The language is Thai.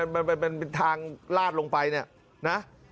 มันเป็นทางลาดลงไปนะ